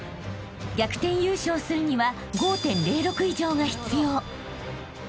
［逆転優勝するには５．０６以上が必要］